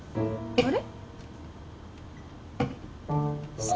あれ？